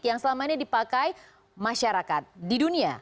yang selama ini dipakai masyarakat di dunia